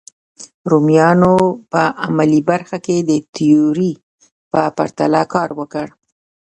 رومیانو په عملي برخه کې د تیوري په پرتله کار وکړ.